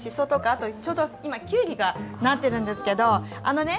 あとちょうど今きゅうりがなってるんですけどあのね